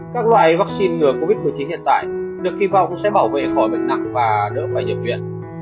các loại vaccine ngừa covid một mươi chín hiện tại được kỳ vọng sẽ bảo vệ khỏi bệnh nặng và đỡ phải nhập viện